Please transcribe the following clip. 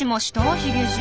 ヒゲじい。